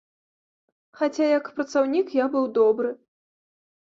Хаця як працаўнік я быў добры.